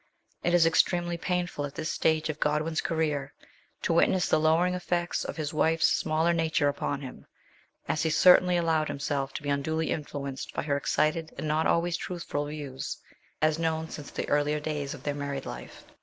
It is extremely painful at this stage of Godwin's career to witness the lowering effects of his wife's smaller nature upon him, as he 144 MRS. SHELLEY. certainly allowed himself to be unduly influenced by her excited and not always truthful views, as known since the early days of their married life.